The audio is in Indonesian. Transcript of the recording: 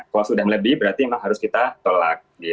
kalau sudah melebih berarti memang harus kita tolak